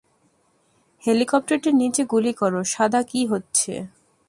হেলিকপ্টারটির নিচে গুলি করো, - শাদা, কি হচ্ছে?